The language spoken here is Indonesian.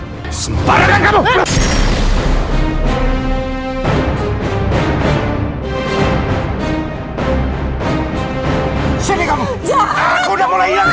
semparan kan kamu